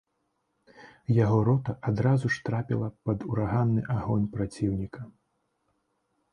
Яго рота адразу ж трапіла пад ураганны агонь праціўніка.